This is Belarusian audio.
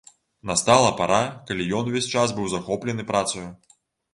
Настала пара, калі ён увесь час быў захоплены працаю.